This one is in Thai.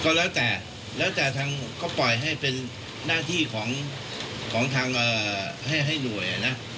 ก็แล้วแต่แล้วแต่ทางก็ปล่อยให้เป็นหน้าที่ของทางให้หน่วยนะ